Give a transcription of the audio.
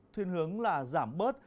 thuyên hướng là giảm bớt